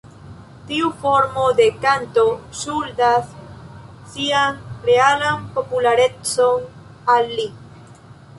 Tiu formo de kanto ŝuldas sian realan popularecon al li.